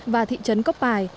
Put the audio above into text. và thị trấn cốc bài